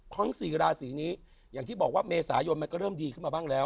สี่ราศีนี้อย่างที่บอกว่าเมษายนมันก็เริ่มดีขึ้นมาบ้างแล้ว